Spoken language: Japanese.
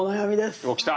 おっ来た。